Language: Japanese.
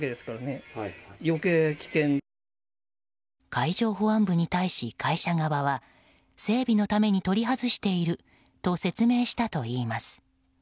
海上保安部に対し、会社側は整備のために取り外していると説明したといいます。